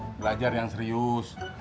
iya belajar yang serius